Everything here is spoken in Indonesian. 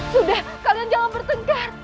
sudah kalian jangan bertengkar